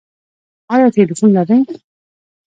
ایا ټیلیفون لرئ؟